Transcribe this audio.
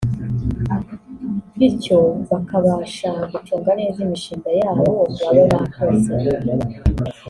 bityo bakabasha gucunga neza imishinga yabo baba bakoze